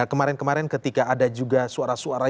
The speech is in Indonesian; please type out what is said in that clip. kemarin kemarin ketika ada juga suara suara